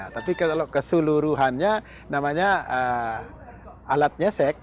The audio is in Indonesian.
tapi kalau keseluruhannya namanya alat nyesek